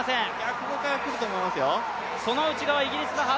ここから来ると思いますよ。